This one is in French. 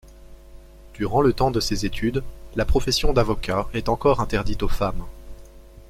Durant le temps de ses études, la profession d'avocat est encore interdite aux femmes.